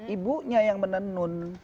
ibunya yang menenun